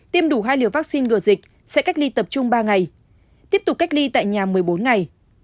tiêm đủ hai liều vaccine ngừa dịch sẽ cách ly tập trung ba ngày tiếp tục cách ly tại nhà một mươi bốn ngày